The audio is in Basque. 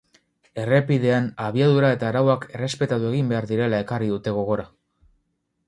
Errepidean abiadura eta arauak errespetatu egin behar direla ekarri dute gogora.